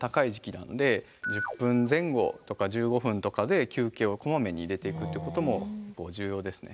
なんで１０分前後とか１５分とかで休憩をこまめに入れていくってことも重要ですね。